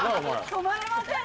止まれません。